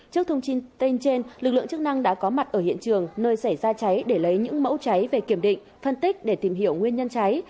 trước thông tin tên trên lực lượng chức năng đã có mặt ở hiện trường nơi xảy ra cháy để lấy những mẫu cháy về kiểm định phân tích để tìm hiểu nguyên nhân cháy